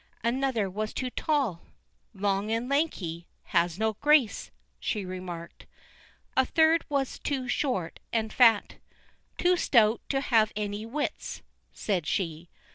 Another was too tall. "Long and lanky; has no grace," she remarked. A third was too short and fat. "Too stout to have any wits," said she.